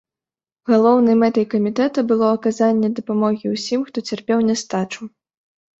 Галоўнай мэтай камітэта было аказанне дапамогі ўсім, хто цярпеў нястачу.